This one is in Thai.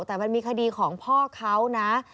แต่มันมีคดีของพ่อเขานะ